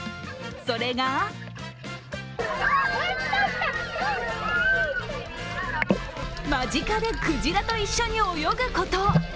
それが間近でクジラと一緒に泳ぐこと。